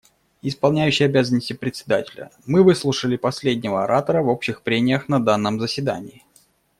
Исполняющий обязанности Председателя: Мы выслушали последнего оратора в общих прениях на данном заседании.